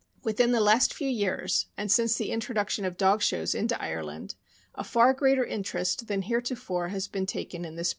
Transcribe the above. Within the last few years, and since the introduction of dog shows into Ireland, a far greater interest than heretofore has been taken in this breed, IRISH TERRIER— MARS.